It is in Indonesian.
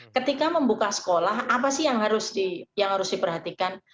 ketika membuka sekolah apa sih yang harus diperhatikan